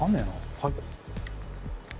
はい。